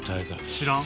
知らん？